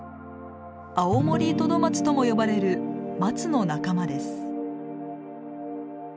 アオモリトドマツとも呼ばれるマツの仲間です。